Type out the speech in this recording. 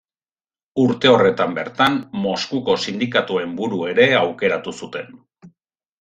Urte horretan bertan, Moskuko Sindikatuen buru ere aukeratu zuten.